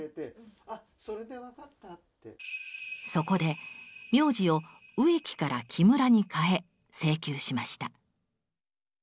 そこで名字を植木から木村に変え請求しました。